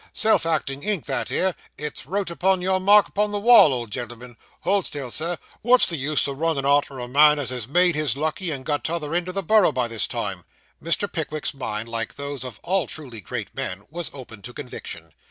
Self acting ink, that 'ere; it's wrote your mark upon the wall, old gen'l'm'n. Hold still, Sir; wot's the use o' runnin' arter a man as has made his lucky, and got to t'other end of the Borough by this time?' Mr. Pickwick's mind, like those of all truly great men, was open to conviction.